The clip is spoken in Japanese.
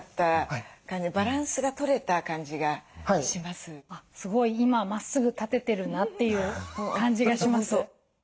すごい今まっすぐ立ててるなっていう感じがします。